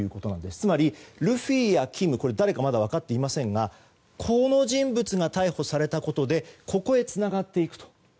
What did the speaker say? つまり、ルフィやキムはまだ誰か分かっていませんがこの人物が逮捕されたことでここへつながっていくと。